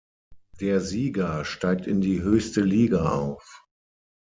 Der Sieger steigt in die höchste Liga auf.